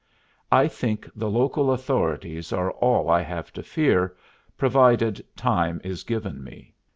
"I think the local authorities are all I have to fear, provided time is given me."